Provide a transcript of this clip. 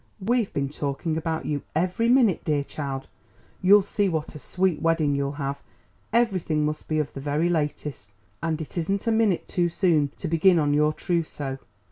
"We've been talking about you every minute, dear child. You'll see what a sweet wedding you'll have. Everything must be of the very latest; and it isn't a minute too soon to begin on your trousseau.